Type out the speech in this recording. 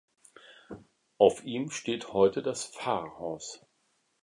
Auf ihm steht heute das Pfarrhaus.